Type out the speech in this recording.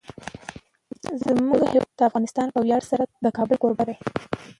زموږ هیواد افغانستان په ویاړ سره د کابل کوربه دی.